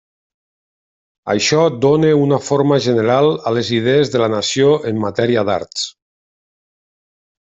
Això dóna una forma general a les idees de la nació en matèria d'arts.